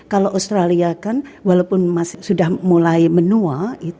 kalau australia kan walaupun sudah mulai menua